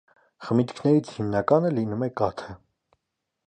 Խմիչքներից հիմնականը լինում է կաթը։